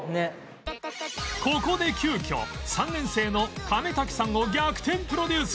ここで急きょ３年生の亀滝さんを逆転プロデュース